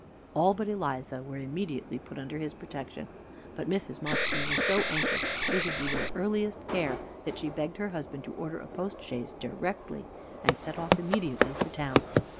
All but Eliza were immediately put under his protection, but Mrs. Montague was so anxious she should be their earliest care that she begged her husband to order a post chaise directly, and set off immediately for town.